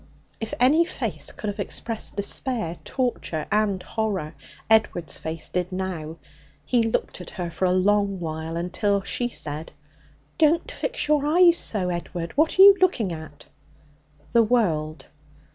If any face could have expressed despair, torture and horror, Edward's face did now. He looked at her for a long while, until she said: 'Don't fix your eyes so, Edward! What are you looking at?' 'The world.